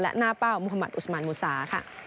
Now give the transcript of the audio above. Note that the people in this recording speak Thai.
และหน้าเป้ามุฒมันอุสมันมุษา